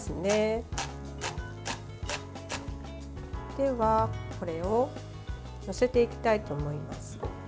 では、これを載せていきたいと思います。